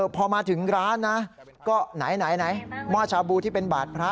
พอมาถึงร้านนะก็ไหนหม้อชาบูที่เป็นบาดพระ